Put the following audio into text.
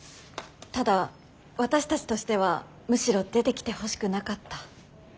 ただ私たちとしてはむしろ出てきてほしくなかった。